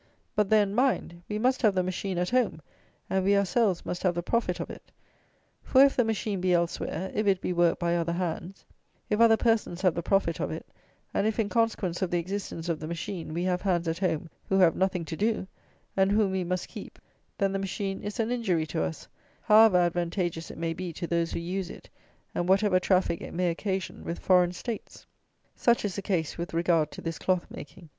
But, then, mind, we must have the machine at home, and we ourselves must have the profit of it; for, if the machine be elsewhere; if it be worked by other hands; if other persons have the profit of it; and if, in consequence of the existence of the machine, we have hands at home, who have nothing to do, and whom we must keep, then the machine is an injury to us, however advantageous it may be to those who use it, and whatever traffic it may occasion with foreign States. Such is the case with regard to this cloth making.